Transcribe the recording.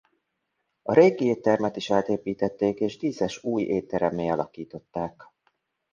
A régi éttermet is átépítették és díszes új étteremmé alakították.